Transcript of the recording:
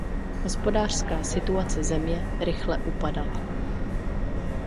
Hospodářská situace země rychle upadala.